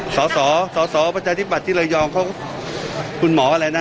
สอสอสอสอประชาธิบัติที่ระยองเขาคุณหมออะไรนะ